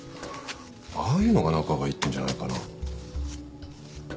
ああいうのが仲がいいっていうんじゃないかな。